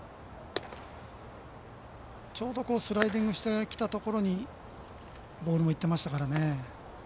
ちょうどスライディングしてきたところにボールもいってましたからね。